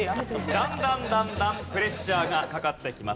だんだんだんだんプレッシャーがかかってきます。